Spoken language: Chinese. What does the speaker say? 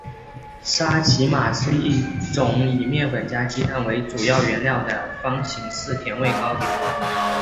萨其马是一种以面粉加鸡蛋为主要原料的方形甜味糕点。